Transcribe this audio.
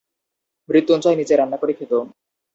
মৃত্যুঞ্জয় নিজে রান্না করে খেত।